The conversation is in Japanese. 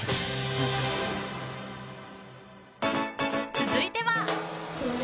続いては。